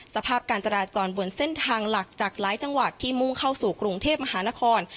สภาพการจราจรบนเส้นทางหลักจากหลายจังหวัดที่มุ่งเข้าสู่กรุงเทพมหานคร